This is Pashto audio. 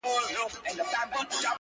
څه کلونه بېخبره وم له ځانه-